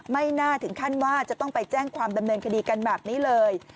ไม่น่าถึงขั้นว่าจะต้องไปแจ้งความดำเนินคดีกันแบบนี้เลย